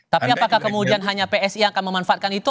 tapi apakah kemudian hanya psi yang akan memanfaatkan itu